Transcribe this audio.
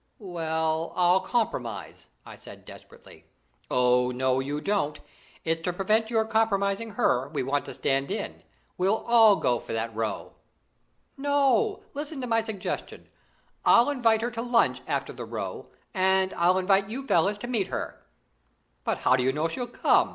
"Well, I'll compromise!" I said desperately. "No, you don't! It's to prevent your compromising her we want to stand in. We'll all go for that row." "No, listen to my suggestion. I'll invite her to lunch after the row, and I'll invite you fellows to meet her." "But how do you know she'll come?"